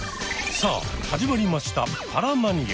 さあ始まりました「パラマニア」。